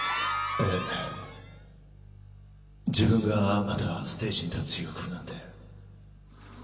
え自分がまたステージに立つ日が来るなんて。